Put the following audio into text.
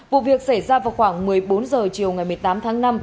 vụ việc xảy ra vào khoảng một mươi bốn h chiều ngày một mươi tám tháng năm